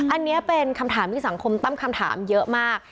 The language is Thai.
อันนี้เป็นคำถามที่สังคมตั้งคำถามเยอะมาก